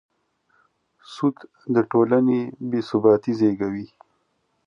سود د ټولنې بېثباتي زېږوي.